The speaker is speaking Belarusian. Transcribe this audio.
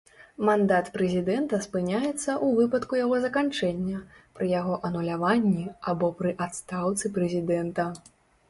Мандат прэзідэнта спыняецца ў выпадку яго заканчэння, пры яго ануляванні, або пры адстаўцы прэзідэнта.